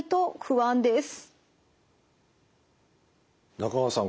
中川さん